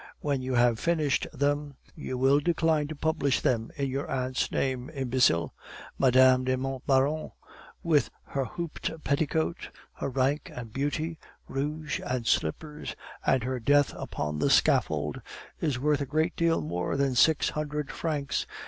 When you have finished them, you will decline to publish them in your aunt's name, imbecile! Madame de Montbauron, with her hooped petticoat, her rank and beauty, rouge and slippers, and her death upon the scaffold, is worth a great deal more than six hundred francs.